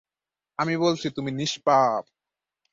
আমি বলছি, তুমি নিষ্পাপ।